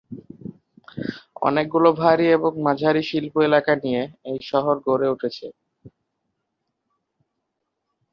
অনেকগুলি ভারী এবং মাঝারি শিল্প এলাকা নিয়ে এই শহর গড়ে উঠেছে।